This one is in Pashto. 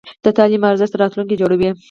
د تعلیم ارزښت د راتلونکي جوړوي.